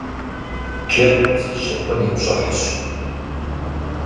Джэд щыкъун и пщӀыхьщ.